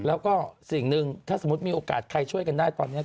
แล้วก็สิ่งหนึ่งถ้าสมมุติมีโอกาสใครช่วยกันได้ตอนนี้